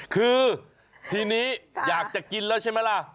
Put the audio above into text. คือทีนี้อยากจะกินแล้วใช่ไหมล่ะ